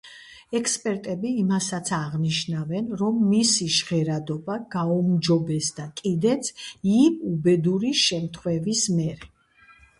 ექსპერტები იმასაც აღნიშნავენ, რომ მისი ჟღერადობა გაუმჯობესდა კიდეც იმ უბედური შემთხვევის მერე.